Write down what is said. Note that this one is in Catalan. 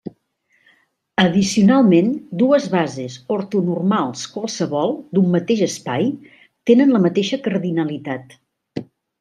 Addicionalment, dues bases ortonormals qualssevol d'un mateix espai tenen la mateixa cardinalitat.